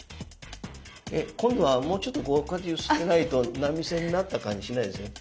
え今度はもうちょっとこうこうやって揺すってないと波線になった感じしないですね。